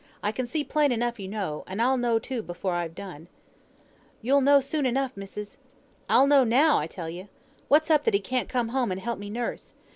I can see plain enough you know, and I'll know too, before I've done." "You'll know soon enough, missis!" "I'll know now, I tell ye. What's up that he can't come home and help me nurse?